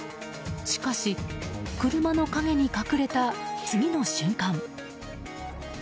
しかし、車の陰に隠れた次の瞬間。